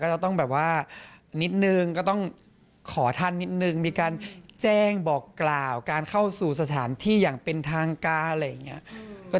จะต้องแบบว่านิดนึงก็ต้องขอท่านนิดนึงมีการแจ้งบอกกล่าวการเข้าสู่สถานที่อย่างเป็นทางการอะไรอย่างนี้